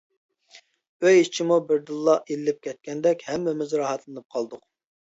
ئۆي ئىچىمۇ بىردىنلا ئىللىپ كەتكەندەك ھەممىمىز راھەتلىنىپ قالدۇق.